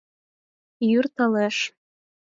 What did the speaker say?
Йӱр толеш